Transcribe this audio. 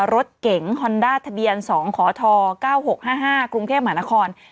รถเก๋งฮอนด้าทะเบียน๒ขอท๙๖๕๕กรุงเทพมหานคร